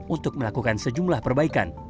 untuk melakukan sejumlah perbaikan